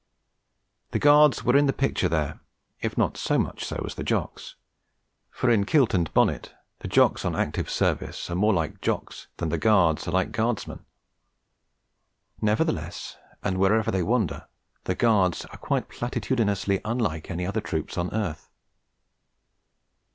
The Guards were in the picture there, if not so much so as the Jocks; for in kilt and bonnet the Jocks on active service are more like Jocks than the Guards are like Guardsmen; nevertheless, and wherever they wander, the Guards are quite platitudinously unlike any other troops on earth.